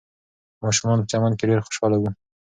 ماشومان په چمن کې ډېر خوشحاله وو.